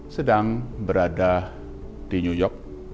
sedang berada di new york